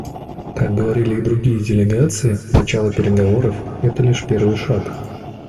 Как говорили и другие делегации, начало переговоров − это лишь первый шаг.